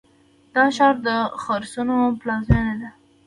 دا ښار د خرسونو پلازمینه ده.